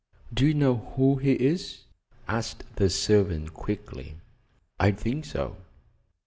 "Do you know who he is?" asked the servant quickly. "I think so."